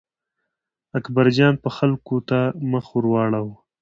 اکبرجان به خلکو ته مخ ور واړاوه.